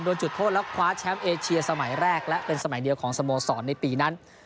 จุดโทษแล้วคว้าแชมป์เอเชียสมัยแรกและเป็นสมัยเดียวของสโมสรในปีนั้น